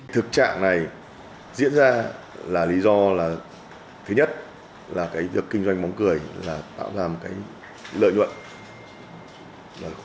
thực trạng này diễn ra là lý do thứ nhất là việc kinh doanh bóng cười là tạo ra một lợi nhuận